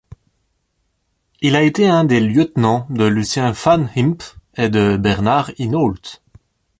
Il a été un des lieutenants de Lucien Van Impe et de Bernard Hinault.